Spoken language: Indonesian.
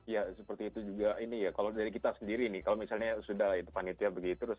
ya seperti itu juga ini ya kalau dari kita sendiri nih kalau misalnya sudah itu panitia begini terus